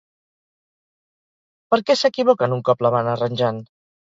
Per què s'equivoquen un cop la van arranjant?